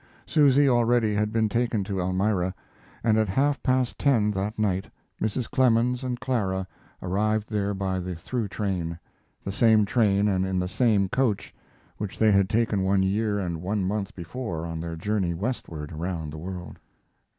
Susy already had been taken to Elmira, and at half past ten that night Mrs. Clemens and Clara arrived there by the through train the same train and in the same coach which they had taken one year and one month before on their journey westward around the world.